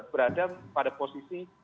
berada pada posisi